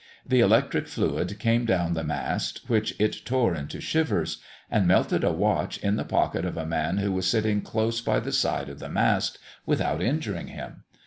The electric fluid came down the mast, which it tore into shivers; and melted a watch in the pocket of a man who was sitting close by the side of the mast, without injuring him.